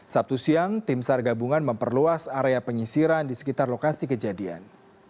sabtu siang tim sar gabungan memperluas area penyisiran di sekitar lokasi kejadian